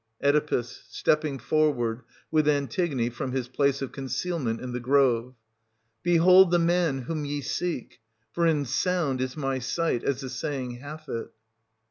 syst.\. Oedipus {stepping forward, with ANTIGONE, from his place of concealment in the grove). Behold the man whom ye seek ! for in sound is my sight, as the saying hath it.